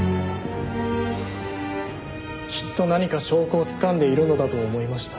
きっと何か証拠をつかんでいるのだと思いました。